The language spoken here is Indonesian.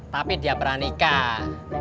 tapi dia berani kah